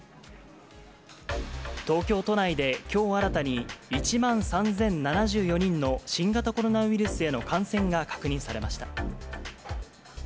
東京都内で、きょう新たに１万３０７４人の新型コロナウイルスへの感染が確認されました。